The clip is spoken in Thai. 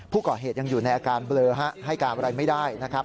ผู้ก่อเหตุยังอยู่ในอาการเบลอให้การอะไรไม่ได้นะครับ